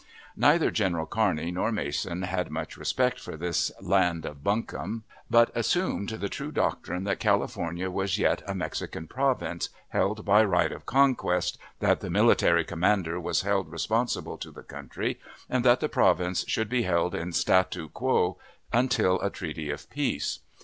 Neither General Kearney nor Mason had much respect for this land of "buncombe," but assumed the true doctrine that California was yet a Mexican province, held by right of conquest, that the military commander was held responsible to the country, and that the province should be held in statu quo until a treaty of peace.